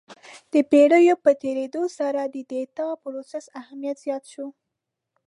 د پېړیو په تېرېدو سره د ډیټا پروسس اهمیت زیات شو.